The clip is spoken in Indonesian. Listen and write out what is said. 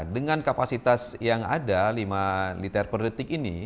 dengan kapasitas yang ada lima liter per detik ini